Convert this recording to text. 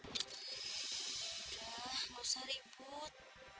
udah gak usah ribut